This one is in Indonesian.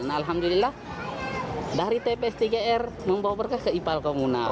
alhamdulillah dari tps tgr membawa berkah ke ipal komunal